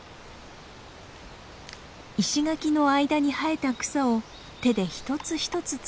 石垣の間に生えた草を手で一つ一つ摘み取っていきます。